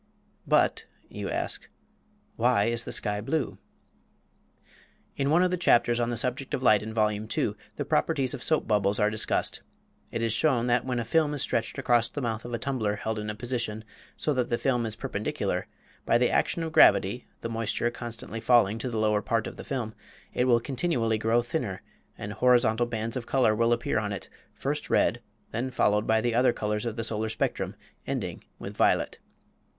"But," you ask, "why is the sky blue?" In one of the chapters on the subject of light in Vol. II. the properties of soap bubbles are discussed. It is shown that when a film is stretched across the mouth of a tumbler held in a position so that the film is perpendicular, by the action of gravity (the moisture constantly falling to the lower part of the film) it will continually grow thinner, and horizontal bands of color will appear upon it, first red, then followed by the other colors of the solar spectrum, ending with violet.